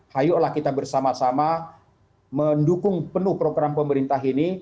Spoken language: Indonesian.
ayolah kita bersama sama mendukung penuh program pemerintah ini